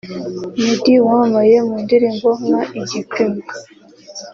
Meddy wamamaye mu ndirimbo nka ‘Igipimo’